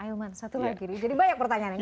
ahilman satu lagi nih jadi banyak pertanyaannya